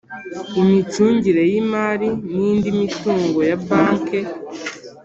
imicungire y imari n indi mitungo ya banke